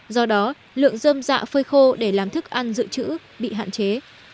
do đó lượng dơm dạ phơi khô để làm thức ăn dự trữ bị hạn chế